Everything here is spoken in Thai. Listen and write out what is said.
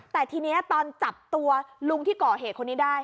แต่ทีนี้ตอนจับตัวลุงที่ก่อเหตุคนนี้ได้